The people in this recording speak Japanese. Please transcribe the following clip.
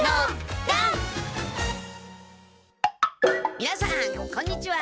みなさんこんにちは！